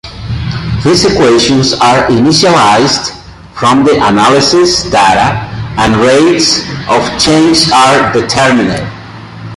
These equations are initialized from the analysis data and rates of change are determined.